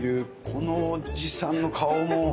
このおじさんの顔も。